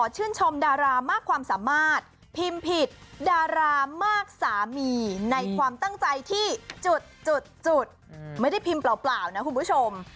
จุดไม่ได้พิมพ์เปล่านะคุณผู้ชม